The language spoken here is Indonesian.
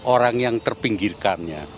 orang yang terpinggirkan